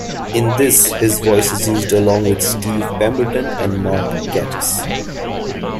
In this, his voice is used along with Steve Pemberton and Mark Gatiss.